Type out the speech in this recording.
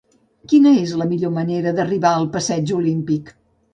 Quina és la millor manera d'arribar al passeig Olímpic?